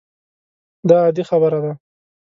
دا عادي خبره ده.